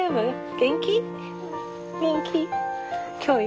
元気？